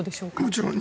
もちろん。